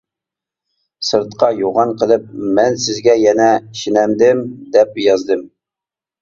سىرتقا يوغان قىلىپ: «مەن سىزگە يەنە ئىشىنەمدىم؟ » دەپ يازدىم.